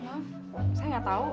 maaf saya enggak tahu